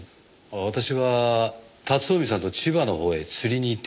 私は辰臣さんと千葉のほうへ釣りに行っていました。